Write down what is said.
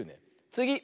つぎ！